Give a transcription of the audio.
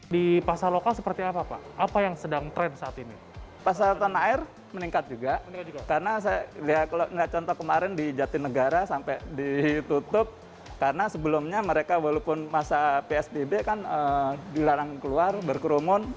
masa psbb kan dilarang keluar berkerumun